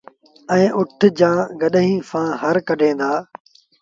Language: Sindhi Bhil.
ائيٚݩ اُٺ جآݩ گڏئيٚن سآݩ هر ڪڍين دآ